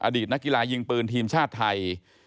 อดีตนักกีฬายิงปืนทีมชาติไทย